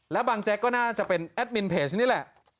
แล้วบางแจ๊กก็น่าจะเป็นแอดมินเพจนี่แหละ